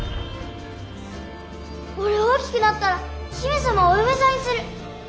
俺大きくなったら姫様をお嫁さんにする！